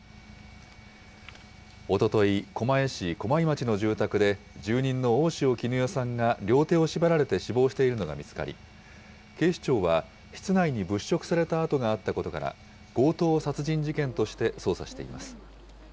おととい、狛江市駒井町の住宅で、住人の大塩衣與さんが両手を縛られて死亡しているのが見つかり、警視庁は、室内に物色された跡があったことから、強盗殺人事件として捜査しています。